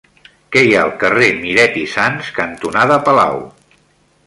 Què hi ha al carrer Miret i Sans cantonada Palau?